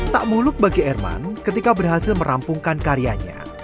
tak muluk bagi erman ketika berhasil merampungkan karyanya